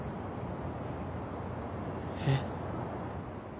えっ？